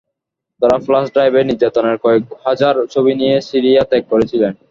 তাঁরা ফ্ল্যাশ ড্রাইভে নির্যাতনের কয়েক হাজার ছবি নিয়ে সিরিয়া ত্যাগ করেছিলেন।